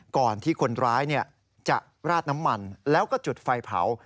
ก่อนที่คนร้ายจะราดน้ำมันแล้วก็จุดไฟเผา